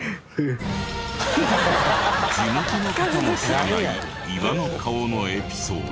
地元の方も知らない岩の顔のエピソード。